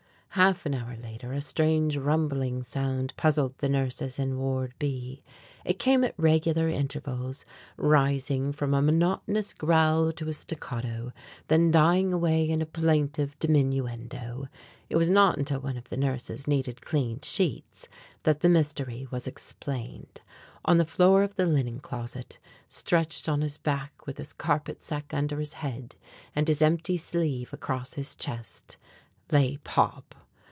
Half an hour later a strange rumbling sound puzzled the nurses in Ward B. It came at regular intervals, rising from a monotonous growl to a staccato, then dying away in a plaintive diminuendo. It was not until one of the nurses needed clean sheets that the mystery was explained. On the floor of the linen closet, stretched on his back with his carpet sack under his head and his empty sleeve across his chest, lay Pop!